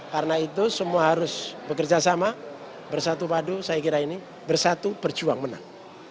karena itu semua harus bekerja sama bersatu padu saya kira ini bersatu berjuang menang